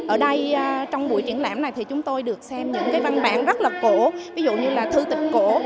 ở đây trong buổi triển lãm này thì chúng tôi được xem những cái văn bản rất là cổ ví dụ như là thư tịch cổ